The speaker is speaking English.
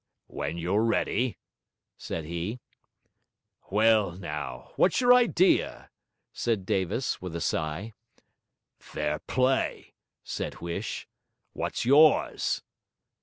'W'en you're ready!' said he. 'Well, now, what's your idea?' said Davis, with a sigh. 'Fair play!' said Huish. 'What's yours?'